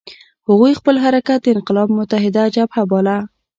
هغوی خپل حرکت د انقلاب متحده جبهه باله.